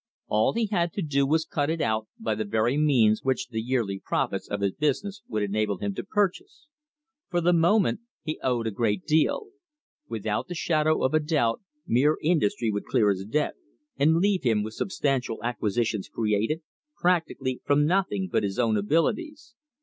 All he had to do was to cut it out by the very means which the yearly profits of his business would enable him to purchase. For the moment, he owed a great deal; without the shadow of a doubt mere industry would clear his debt, and leave him with substantial acquisitions created, practically, from nothing but his own abilities.